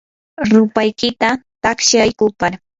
rupaykita taqshay kupar.